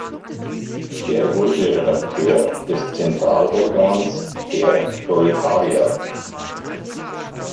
Er wurde Redakteur des Zentralorgans "Der Proletarier".